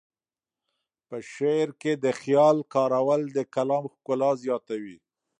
په شعر کې د خیال کارول د کلام ښکلا زیاتوي.